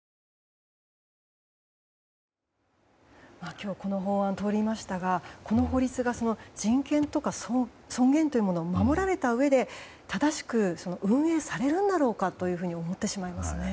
今日、この法案通りましたがこの法律が人権とか尊厳というものが守られたうえで正しく運営されるんだろうかと思ってしまいますね。